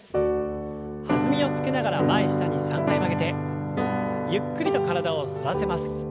弾みをつけながら前下に３回曲げてゆっくりと体を反らせます。